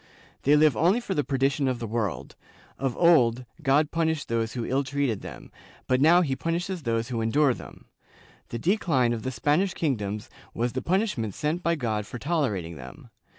They live only for the perdition of the world; of old, God punished those who ill treated them, but now he punishes those who endure them; the decline of the Spanish kingdoms was the punishment sent by God for tolerating them.